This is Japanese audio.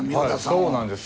はいそうなんです。